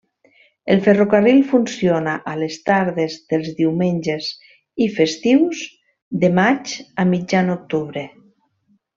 El ferrocarril funciona a les tardes dels diumenges i festius de maig a mitjan octubre.